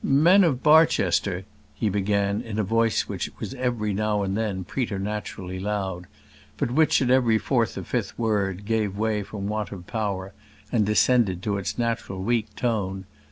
"Men of Barchester," he began, in a voice which was every now and then preternaturally loud, but which, at each fourth or fifth word, gave way from want of power, and descended to its natural weak tone.